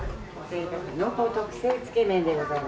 濃厚特製つけ麺でございます。